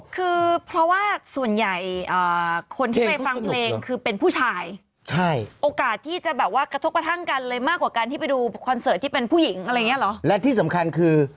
คือเพราะว่าส่วนใหญ่คนที่ไปฟังเพลงคือเป็นผู้ชาย